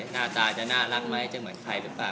หน้าตาจะน่ารักไหมจะเหมือนใครหรือเปล่า